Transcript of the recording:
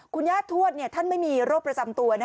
คุณย่าทวดท่านไม่มีโรคประจำตัว